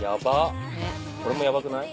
これもヤバくない？